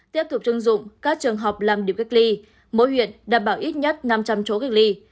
tiếp tục chưng dụng các trường học làm điểm cách ly mỗi huyện đảm bảo ít nhất năm trăm linh chỗ cách ly